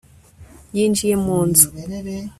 yinjiye mu nzu